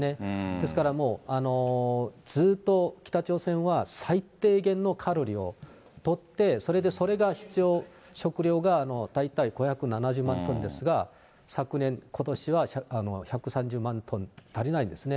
ですから、もうずっと北朝鮮は最低限のカロリーをとって、それでそれが必要、食料が大体５７０万トンですが、昨年、ことしは１３０万トン足りないんですね。